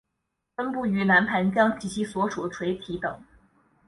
分布于南盘江及其所属水体等。